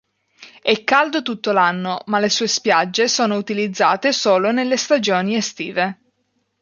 È caldo tutto l'anno, ma le sue spiagge sono utilizzate solo nelle stagioni estive.